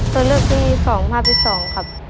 ตัวเลือดที่สองภาพที่สองครับ